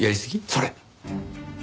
それ！